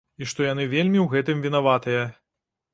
І што яны вельмі ў гэтым вінаватыя.